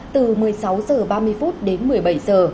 từ một mươi sáu h ba mươi đến một mươi bảy h